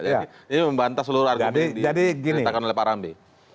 jadi membantah seluruh arti politik yang diperintahkan oleh pak arambe